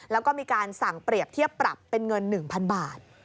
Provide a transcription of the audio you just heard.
แล้วก็มีการสั่งเปรียบเทียบปรับเป็นเงิน๑๐๐๐บาท